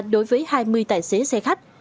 đối với hai mươi tài xế xe khách